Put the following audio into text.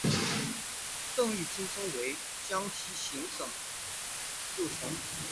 邓愈晋升为江西行省右丞。